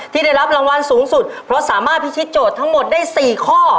ที่ได้รับรางวัลสูงสุดเพราะสามารถพิชิตโจทย์ทั้งหมดได้๔ข้อ